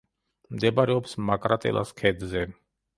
მდებარეობს მაკრატელას ქედზე.